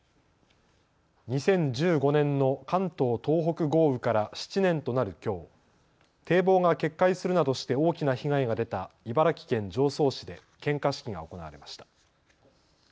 ２０１５年の関東・東北豪雨から７年となるきょう堤防が決壊するなどして大きな被害が出た茨城県常総市で献花式が行われました。